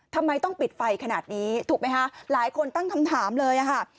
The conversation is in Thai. ทำไมต้องปิดไฟขนาดนี้ถูกไหมคะหลายคนตั้งคำถามเลยอะค่ะ